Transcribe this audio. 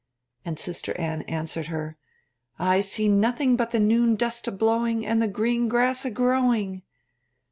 _' And Sister Anne answered her: '_I see nothing but the noon dust a blowing, and the green grass a growing.